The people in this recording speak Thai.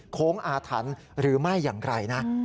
โค้งอาถรรพ์หรือไม่อย่างไรนะ